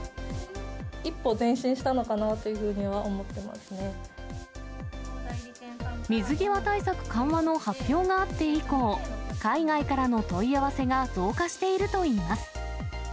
一歩前進したのかなというふ水際対策緩和の発表があって以降、海外からの問い合わせが増加しているといいます。